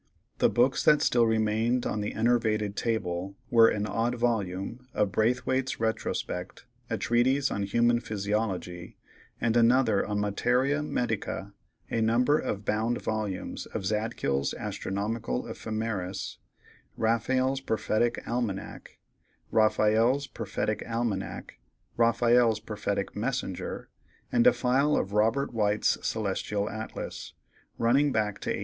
The books that still remained on the enervated table were an odd volume of Braithwaite's Retrospect, a treatise on Human Physiology, and another on Materia Medica; a number of bound volumes of Zadkiel's Astronomical Ephemeris, Raphael's Prophetic Almanac, Raphael's Prophetic Messenger, and a file of Robert White's Celestial Atlas, running back to 1808.